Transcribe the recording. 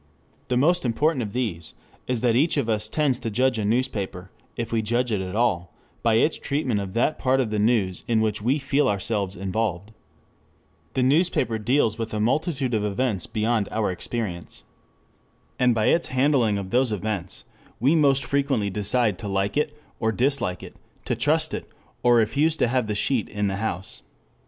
The most important of these is that each of us tends to judge a newspaper, if we judge it at all, by its treatment of that part of the news in which we feel ourselves involved. The newspaper deals with a multitude of events beyond our experience. But it deals also with some events within our experience. And by its handling of those events we most frequently decide to like it or dislike it, to trust it or refuse to have the sheet in the house.